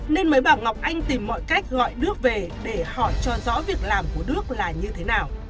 nên mới bảo ngọc anh tìm mọi cách gọi đức về để hỏi cho rõ việc làm của đức là như thế nào